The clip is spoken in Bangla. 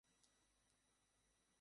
টাকা-পয়সা আমার কাছে কিছুই না।